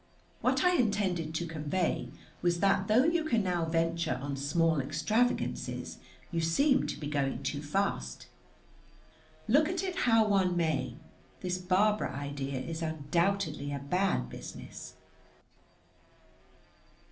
What I intended to convey was that though you can now venture on small extravagances, you seem to be going too fast. Look at it how one may, this Barbara idea is undoubtedly a bad business.